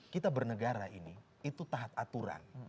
kita bernegara ini itu tahap aturan